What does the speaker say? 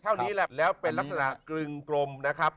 เท่านี้แหละแล้วเป็นลักษณะกรึงกลมนะครับ